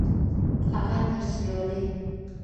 هغه درس لولي